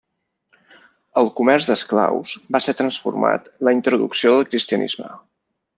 El comerç d'esclaus va ser transformat la introducció del cristianisme.